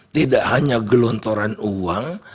tidak hanya gelontoran uang